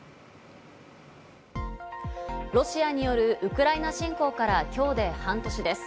ロシアによるウクライナ侵攻から今日で半年です。